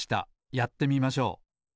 やってみましょう。